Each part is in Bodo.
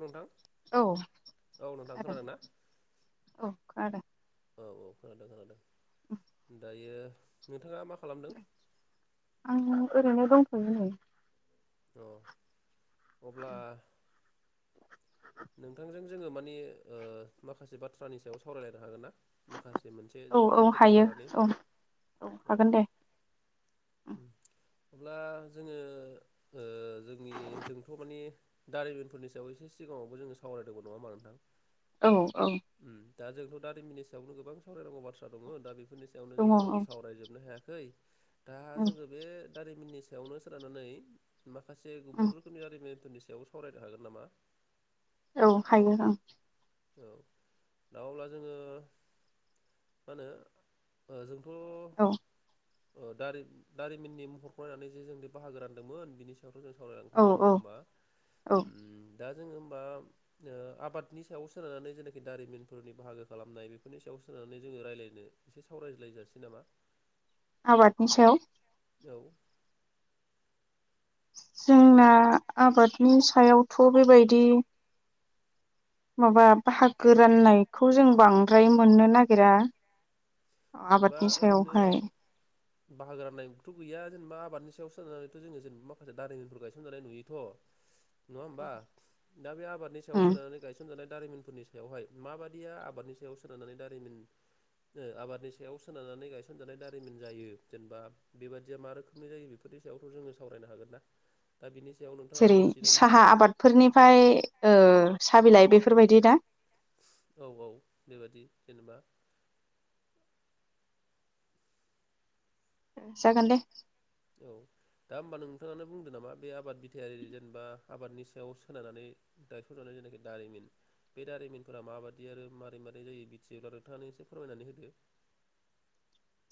नोंथां औ औ नोंथां खोनादों ना औ खोनादों। औ औ खोनादों खोनादों दायो नोंथाङा मा खालामदों? आं ओरैनो दंथयो नै। औ अब्ला नोंथांजों जोङो मानि ओ माखासे बाथ्रानि सायाव सावरायलायनो हागोन ना? माखासे मोनसे औ जायखिजाया औ टपिक हायो लानानै औ औ। हागोन दे उम। अब्ला जोङो ओ जोंनि जोंथ' मानि दारिमिनफोरनि सायाव एसे सिगाङाव बो जों सावरायदोंमोन नङा होनबा नोंथां? औ औ। उम दा जोंथ' दाारिमिननि सायावनो गोबां सावरायनांगौ बाथ्रा दङ दा बेफोरनि सायावनो जोङो दङ सावरायजोबनो हायाखै। दा जोङो बे दारिमिननि सायावनो सोनारनानै माखासे गुबुन रोखोमनि दारिमिन [unintelligible] सायाव सावरायनो हागोन नामा। औ हायो आं। औ दा अब्ला जोङो मा होनो ओ जोंथ' औ। ओ दारि-दारिमिननि महरखौ नायनानै जे जों बाहागो रानदोंमोन बिनि सायावथ जों औ सावरायलांखांबाय नङा औ होनबा औ उम दा जोङो होनबा ओ आबादनि सायाव सोनारनानै जेनाखि दारिमिनफोरनि बाहागो खालामनाय बेफोरनि सायाव सोनारनानै जोङो रायलायनो एसे सावरायज्लायजासै। सै नामा आबादनि सायाव औ। जोंना आबादनि सायावथ' बेबायदि माबा बाहागो राननायखौ जों बांद्राय मोननो नागिरा। जेनेबा आबादनि ओरैनो सायावहाय। बाहागो रान्नायथ' गैया जेनेबा आबादनि सायाव सोननानै' जोङो जेनेबा माखासे दारिमिनफोर गायसनजानाय नुयोथ'। नङा होमबा दा बे आबादनि सायाव उम सोननानै गायसनजानाय दारिमिनफोरनि सायावहाय माबादिया आबादनि सायाव सोनारनानै दारिमिन ओ आबादनि स सायाव सोनारनानै गायसनजानाय दारिमिन जायो जेनेबा बेबायदिया मा रोखोमनि जायो बेफोरनि सायावथ जोंनो सावरायो। हागोन ना? दा बिनि सायाव नोंथाङा जेरै मिथियोना मिथि साहा आबादफोरनिफ्राय ओ साहा बिलाइ बेफोरबायदि दा। औ औ बेबायदि जेनेबा जागोन दे। औ। दा होमबा नोंथाङानो बुंदो नामा बे आबाद बिथायारि जेनेबा आबादनि सायाव सोनायनानै दायथ' जानाय। जेथनाखि दारिमिन। बे दारिमिनफोरा माबादि आरो मारै-मारै जायो बिथियोबा नोंथाङानो एसे फोरमायनानै होदो। [inaudible]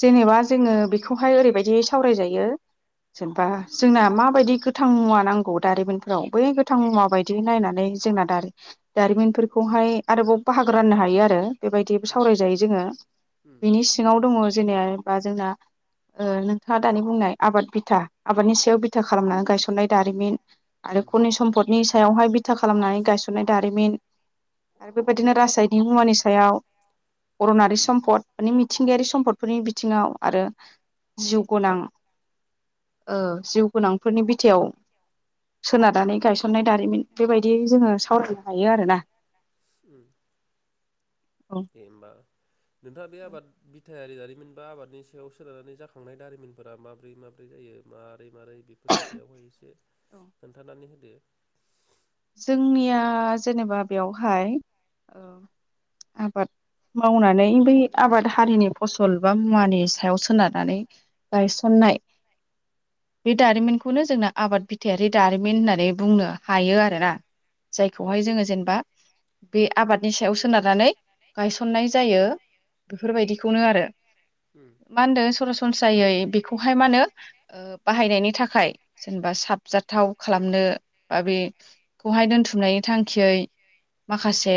जेनेबा जोङो बेखौहाय ओरैबायदि सावरायजायो। जेनेबा जोंना माबायदि गोथां मुवा नांगौ दारिमिनफोराव बै गोथां मुवा बायदि नायनानै। जोंना दारि दारिमिनफोरखौहाय आरोबाव बाहागो राननो हायो आरो। बेबायदिबो उम सावरायजायो जोङो। उम बिनि सिङाव दङ जेनेया बा जोंना। ओ नोंथाङा दानि बुंनाय आबाद बिथा आबादनि सायाव बिथा खालामनानै गायसननाय दारिमिन आर रो उम खनि सम्पदनि सायावहाय बिथा खालामनानै गायसननाय दारिमिन। आरो बेबायदिनो रासायनिक मुवानि सायाव अरनारि उम सम्पद माने मिथिंगायारि सम्फद। थिङाव आरो जिउ गनां। ओ जिउ गोनांफोरनि बिथायाव सोनारनानै गायस नाय दारिमिन बेबायदि जोङो सावरायनो हायो आरोना। औ दे होमबा नोंथाङा बे आबाद बिथा। थायारि दारिमिन बा आबादनि सायाव सोनारनानै जाखांनाय दारिमिनफोरा माब्रै माब्रै जायो मा। मारै-मारै बेफोरनि सायावहाय एसे औ खोन्थानानै होदो। जोंनिया जेनेबा बेयावहाय ओ आबाद। मावनानै बै आबाद हारिनि फसल बा मुवानि सायाव सोनारनानै गायसननाय। [inaudible] बे दारिमिनखौनो जोंना आबाद बिथथायारि दारिमिन होननानै बुंनो हायो आ रोना। औ जायखौहाय जोङो जेनेबा बे आबादनि सायाव सोनारनानै गायसननाय जायो। बेफोरबायदिखौनो आरो। उम मा होनदों सरासनस्रायै बेखौहाय मा होनो ओ बाहायनायनि थाखाय जेनेबा सो साबजाथाव खालामनो बा बे। खौहाय दोनथुमनायनि थांखियै माखासे।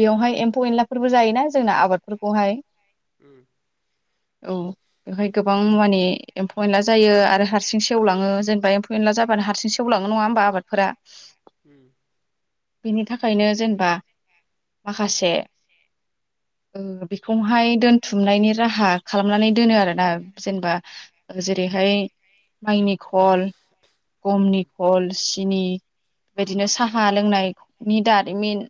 बेवहाय एम्फौ एनलाफोरबो जायोना जोंना आबादफोरखौहाय। [inaudible] औ बेवहाय गोबां माने एम्फौ एनला जायो आरो हारसिं सेवलाङो जेनेबा एम्फौ एनला जा बानो हारसिं सेवलांनो नङा होमबा आबादफोरा। उम। बिनि थाखायनो जेनेबा माखासे। [inaudible] ओ बेखौहाय दोनथुमनायनि राहा खालामनानै दोनो आरो ना जेनेबा जेरै-। हाय माइनि खल गमनि। उम खल सिनि बेबायदिनो साहा लोंनायनायनि दारिमिन।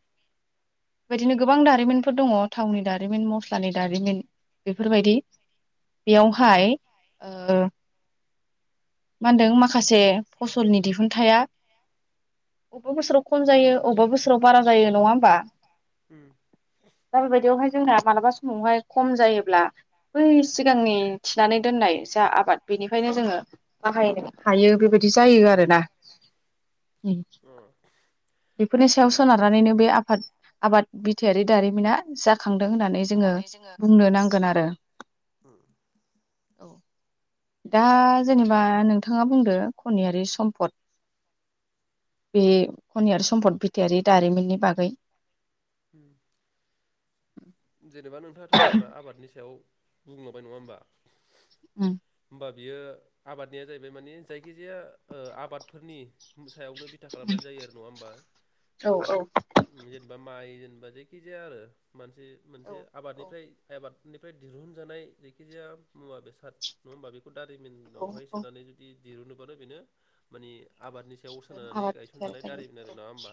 बेबायदिनो गोबां दारिमिनफोर दङ थावनि दारिमिन मस्लानि दारिमिन। बेफोरबायदि उम बेयावहाय। मा होनदों माखासे फसलनि दि हुनथाया अबेबा बोसोराव खम जायो अबेबा बोसो राव बारा जायो नङा होमबा। [unintelligible] दा बेबायदियावहाय जोंना मालाबा समावहाय खम जायोब्ला बै सिगांनि थिनानै दोननाय। जा आबाद बेनिखायनो जोङो बाहायनो हायो बेबायदि जायो आरोना। उम अ बेफोरनि सायाव जेनेबा सोनारना नायनो बे आफाद आबाद बिथथायारि दारिमिना जा खांदों होननानै जोङो बुंनो नांगोन आरो। औ दा जेनेबा नोंथाङा बुंदो खनियारि सम्पद। बे खनियारि सम्पद बिथारि दारिमिननि बागै। ओम। जेनेबा नोंथाङाथ जेनेबा आबादनि सायाव बुंलांबाय नङा होमबा? ओम। होमबा बियो आबादनिया जाहैबाय माने जायखिजाया ओ आबादफोरनि फिथायावनो बिथा खालामनानै जायो आरो नङा होमबा औ ओम जेनेबा माइ जेने बा जायखिजाया आरो मानसि औ मोनसे औ आबादनिफ्राय आइबाद निफ्राय दिहुनजानाय जायखिजाया मुवा बेसाद नङा होमबा बेखौ औ दारिमिनावहाय औ सोनानै जुदि दिरुनोबानो बेनो माने आबादनि सायाव सोनारानै आबाद बिथायारि गायसनजानाय दारिमिन आरो नङा होमबा।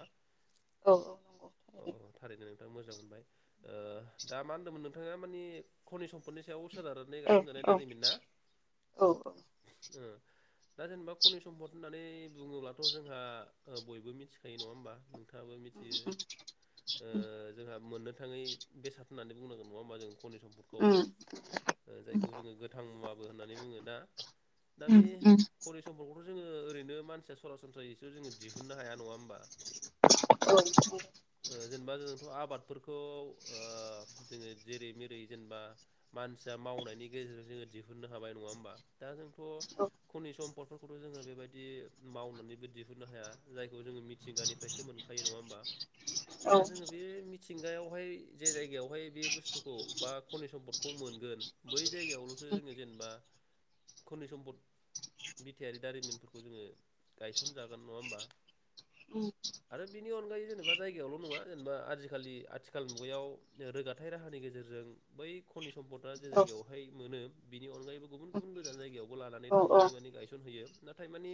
औ नंगौ अ थारैनो थारैनो। मोजां मोनबाय ओ दा मा होनदोंमोन नोंथाङा मानि खनि सम्पदनि सायाव सोनारनानै गायसनजानाय औ औ दारिमिन ना औ ओ दा जेनेबा खनि सम्पद होननानै बुङोब्लाथ जोंहा बयबो मिथिखायो नङा होमबा नोंथाङाबो मिथियो ओ जोंहा मोननो थाङै बेसाद होननानै बुंनांगोन नङा होनबा जों कनि सम्पदखौ उम जायखौ जोङो गोथां मुवाबो होननानै बुङो दा। दा बे उम खनि समफोरखौथ जोङो ओरैनो मानसिया सरासनस्रायैसो जोङो दिहुननो हाया नङा होमबा। औ। ओ जेनेबा जोंथ आबादफोरखौ ओ जेरैै जेरै जेनेबा मानसिया मावनायनि गेजेरजों जोङो दिहुननो हाबाय नङा होमबा दा जोंथ खनि सम म्पदफोरखौथ जोङो बेबायदि मावनानैबो दिहुननो हाया जायखौ जोङो मिथिंगानिफ्रायसो मोनखायो नङा होमबा। दा जोङो बे मिथिंगायावहाय जे जायगायावहाय बे बुस्थुखौ बा खनि सम्पदखौ मोनगोन बै जायगायावल जोङो जेनेबा खनि सम्पद मिथायारि दारिमिनफोरखौ जोङो गायसनजागोन नङा होमबा? उम आरो बिनि अनगायै जेनेबा जायगायावल नङा जेनेबा आजिखालि आथिखाल मुगायाव रोगाथायाइ राहानि गेजेरजों बै खनि सम्पद सम्पदा जे औ जायगायावहाय मोनो बिनि अनगायैबो गुबुन गुबुन गोजान जायगायावबो लानानै औ औ थांनानै माने गायस सन हैयो नाथाय माने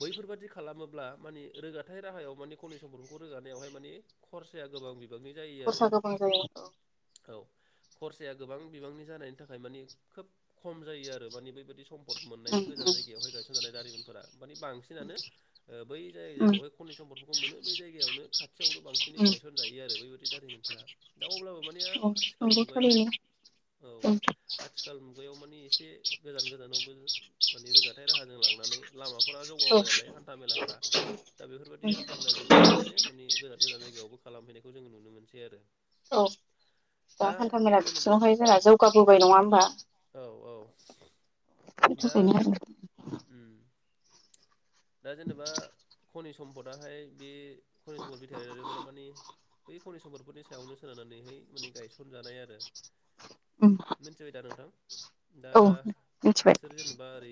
बैफोरबादि खालामोब्ला मानि रोगाथाइ राहायाव माने खनि सम्पदखौ खौ रोगानायावहाय माने खरसाया गोबां बि खरसा गोबां जायो औ। औ खरसाया गोबां बिबांनि जानायनि थाखाय मानि खोब खम जायो आरो मानि बेबायदि सम्फद मोननायनि उम गोजान उम जायगायाव गायसन जानाय दारिमिनफोरआ मानि बांसिनानो बै जाय उम जायगायावहाय खनि सम्पदखौ मोनो बै जायगायावनो खाथियावनो बांसिनै उम गायसनजायो आरो बैबायदि दारिमिनफोरा दा अब्लाबो माने औ आथिखाल नंगौ मुगायाव थारैनो औ। आथिखाल मुगायाव माने एसे गोजान गोजानावबो माने रोगाथाइ राहाजों लांनानै लामा फोरा औ जौगाबोबाय नालाय हान्था मेलाफोरा दा बेफोरबायाददि उम हान्था मेला जौगानायखायनो माने गोजान गोजान जायगायावबो खालामहैनायखौ जोङो नुनो मोनसै आरो। औ दा हान्था मेला जोनोम बिथिङावहाय जोंहा जौगाबोबाय नङा होमबा। औ औ [unintelligible] ओम। दा जेनेबा खनि सम्पदाहाय बिदि खनि सम्पद बिथायायामोन ना माने बै खनि समदफोरनि सायावनो सोनारनानैहाय माने गायसनजानाय आरो उम मिथिबाय दा नोंथां? दा औ मिथिबाय बिसोर जेनेबा ओरै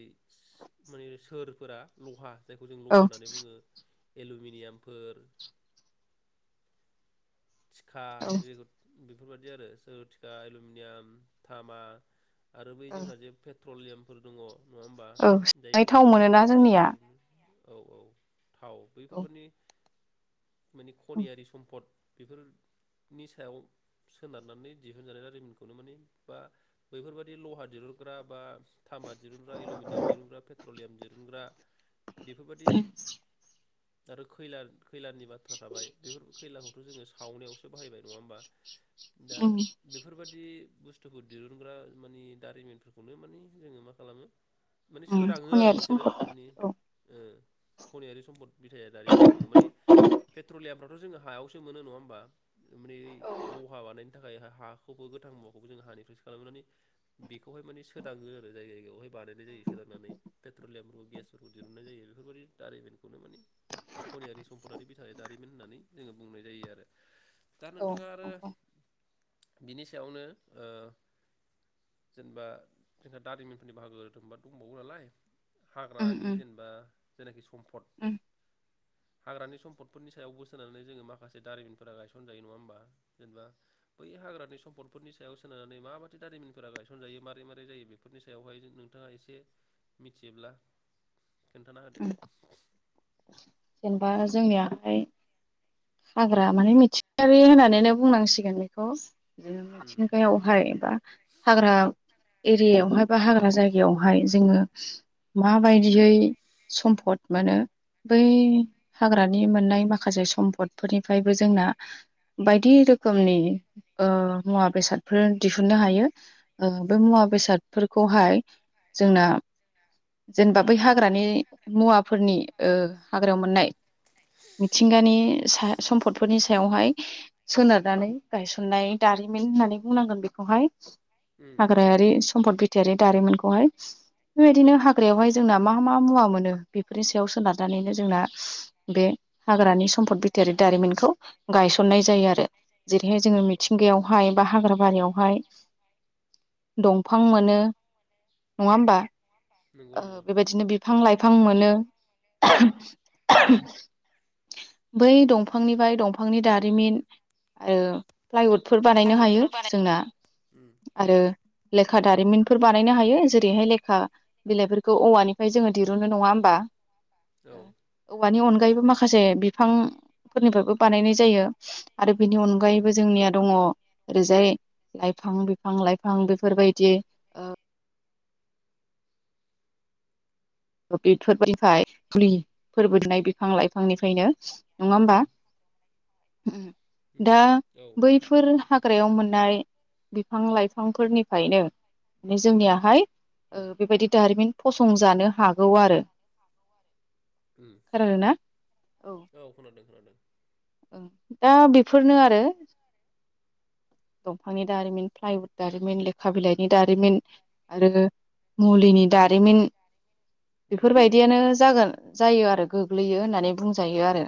माने स-स-सोरफोरा लहा जायखौ जों औ लहा होननानै बुङो एलुमिनियामफोर थिखा औ बेफोरबायदि आरो सोर थिखा एलुमिनियाम थामा आरो बै औ जोंहा जे पेट्रलियामफोर दङ नंआ होमबा औ सोनानै जायखौ थाव मोनोना जोंनिया [unintelligible] थाव औ बैफोरबादि माने उम खनियारि सम्पद बेफोरनि सायाव सोनारनानै दिहुनजानाय दारिमिनखौनो माने बा बैफोरबायदि लहा दिहुनग्रा बा थामा दिहुनग्रा एलुमिनियाम दिहुनग्रा पेट्रलियाम दिहुनग्रा बेफोरबायदि आरो खैला खैलानि बाथ्रा थाबाय बेफोर खैलाखौ थ' जोङो सावनायावसो बाहायबाय नङा होमबा दा उम बेफोरबादि बुस्थुफोर दिहुनग्रा मानि दारिमिनफोरखौनो मानि जोङो मा खालामो माने उम सोदाङो आरो खनायारि बिसोरो सम्पद माने औ खनियारि सम्पद बिथाया दारिमिन होनना बुङो माने पेट्रलियामफ्राथ' जोङो हायाव मोनो नङा होनबा माने औ लहा बानाय थाखाय हाखौबो गोथां मुवाखौ जों हानिफ्राय खालामनानै बेखौहाय माने सोदाङो आरो जाय जायगायाव हाय बानायनाय जायो फेदेरनानै पेट्रलियामफोरखौ गेसफोरखौ दिहुनन्नाय जायो बेफोरबायदि दारिमिनखौनो माने खनियारि सम्पदारि बिथा दारिमिन होननानै जोङो बुंनाय जायो आरो दा औ नोंथाङा आरो नंगौ बिनि सायावनो ओ जेनेबा जोंहा दारिमिनफोरनि बाहागोफोरा दंबावो नालाय उम हाग्रानि उम जेनेबा जेनाखि सम्फद उम हाग्रानि सम्पदफोरनि सायावबो सोनानै जोङो माखासे दारिमिनफोरा गायसन जायो नङा होमबा जेनेबा बै हाग्रानि सम्पदफोरनि सायाव सोनारनानै माबादि दारिमिनफोरा गायसनजायो मारै मारै जायो बेफोरनि सायावहाय नोंथाङा एसे मिथियोब्ला खोन्थाना होदो। उम जेनेबा जोंनियाहाय हाग्रा माने मिथिंगारि होननानैनो बुंनांसिगोन बेखौ उम मिथिंगायावहाय एबा हाग्रा एरियायावहाय बा हाग्रा जायगायावहाय जोङो माबायदियै सम्पद मोनो बै हाग्रानि मोननाय माखासे सम्पद फोरनिफ्रायबो जोंना बायदि रोखोमनि ओ मुवा बेसादफोर दिहुननो हायो बे मुवा मुवा बेसादफोरखौहाय जोंना जेनेबा बै हाग्रानि मुवाफोरनि ओ हाग्रायाव मोननाय मिथिंगानि सा सम्पदफोरनि सायावहाय सोनारनानै गायसननाय दारिमिन होननानै बुंनांगोन बेखौ। उम उम हाग्रायारि सम्पद बिथारि दारिमनखौहाय औ बेबायदिनो हाग्रायावहाय जोंना मा मा मुवा मोनो बेफोरनि सायाव सोनारनानैनो जोंना बे हाग्रानि सम्फद बिथा दारिमिनखौ गायसननाय जायो आरो। जेरैहाय औ जोङो औ मिथिंगायावहाय बा हाग्रा बारियावहाय दंफां मोनो। नङा उम होमबा नंगौ नंगौ बेबायदिनो बिफां लाइफां मोनो। [inaudible] बै दंफांनिफ्राय दंफांनि दारिमिन आरो फ्लाइउद फोर बानायनो हायो जोंना उम आरो लेखा दारिमिनफोर बानायनो हायो जेरैहाय लेखा बिलाइफोरखौ औवानिफ्राय जोङो दिरुननो नङा होमबा? औ औवानि अनगायैबो माखासे बिफां फोरनिफ्रायबो बानायनाय जायो आरो बेनि अनगायैबो जोंनिया दङ ओरैजाय। लाइफां बिफां लाइफां बेफोरबायदि [inaudible] [unintelligible] नङा होमबा उम उम दा औ बैफोर। हख्रायाव मोननाय बिफां लाइफांफोरनिफ्रायनो माने जोंनियाहाय उम बेबायदि दारिमिन फसं जानो हागौ आरो उम खोनादोंना औ खोनादों खोनादों दा बेफोरनो आरो दंफांनि दारिमिन फ्लाइवद दारिमिन लेखा बिलाइनि दारिमिन आरो मुलिनि दारिमिन उम उम बेफोरबायदियानो जागोन जायो आरो गोग्लैयो होननानै बुंजायो उम आरो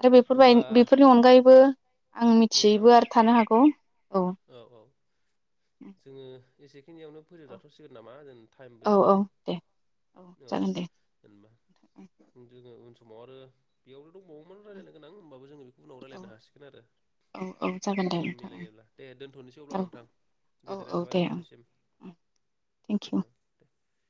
आरो बेफोरबाय होमबा बेफोरनि अनगायैबो आं नोंथां मिथियैबो आरो अ औ औ जोङो एसे बेखिनियावनो फोजोबजाथ'सिगोन नामा जों टाइमबो औ औ जाबाय दे औ जागोन दे जेनबा जोङो समाव आरो बेयावनो' दंबावोम रायलायनो गोनां ओमबाबो जोङो बे औ औ औ जागोन दे सम नोंथां उम मिलायोब्ला दे दोन्थ'नोसै अब्ला नोंथां गोजोननाय औ थाबाय दे नोंथांनिसिम थेंकिउ [inaudible]